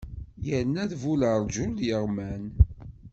Yerna bu lerjul yeɣman.